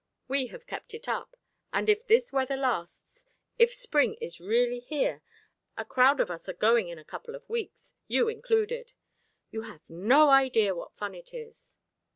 We have kept it up; and if this weather lasts, if spring is really here, a crowd of us are going in a couple of weeks you included. You have no idea what fun it is!"